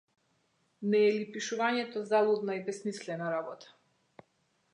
Не е ли пишувањето залудна и бесмислена работа?